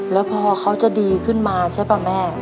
แล้วพอเขาจะดีขึ้นมาใช่ป่ะแม่